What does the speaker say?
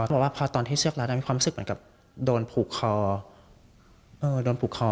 เขาก็บอกว่าตอนที่เชือกร้านมีความรู้สึกเหมือนกับโดนผูกคอ